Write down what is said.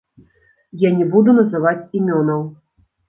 Я не буду называць імёнаў.